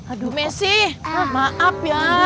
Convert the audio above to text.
aduh mesi maaf ya